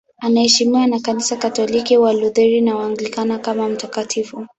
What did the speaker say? Anaheshimiwa na Kanisa Katoliki, Walutheri na Waanglikana kama mtakatifu.